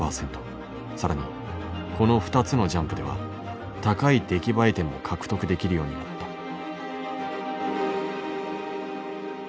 更にこの２つのジャンプでは高い出来栄え点も獲得できるようになった。